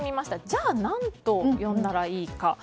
じゃあ何と呼んだらいいか。